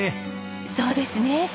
そうですね。